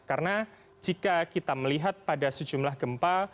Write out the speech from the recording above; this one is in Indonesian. karena jika kita melihat pada sejumlah gempa